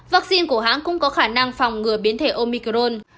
vaccine của hãng cũng có khả năng phòng ngừa biến thể omicron